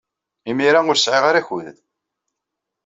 Imir-a, ur sɛiɣ ara akud.